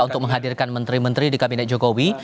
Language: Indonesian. untuk menghadirkan menteri menteri di kabinet jokowi